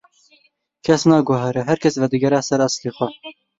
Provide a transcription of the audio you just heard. Kes naguhere, her kes vedigere eslê xwe.